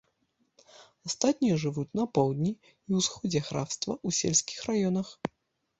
Астатнія жывуць на поўдні і ўсходзе графства, у сельскіх раёнах.